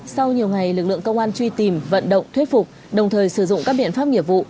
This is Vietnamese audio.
sau nhiều ngày lực lượng công an truy tìm vận động thuyết phục đồng thời sử dụng các biện pháp nghiệp vụ